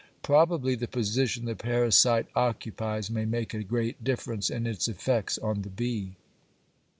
Probably the position the parasite occupies may make a great difference in its effects on the bee.